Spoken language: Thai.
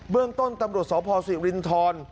เบื้องต้นตำรวจสอบพอสิรินทร